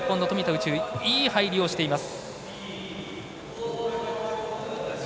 宇宙いい入りをしています。